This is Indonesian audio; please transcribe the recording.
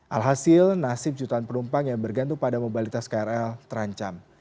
alhasil nasib jutaan penumpang yang bergantung pada mobilitas krl terancam